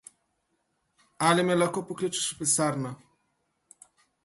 Ali me lahko pokličeš v pisarno?